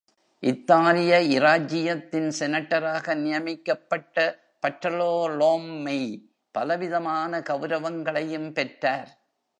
இத்தாலிய இராஜ்ஜியத்தின் செனட்டராக நியமிக்கப்பட்ட பர்ட்டோலோம்மெய், பலவிதமான கவுரவங்களையும் பெற்றார்.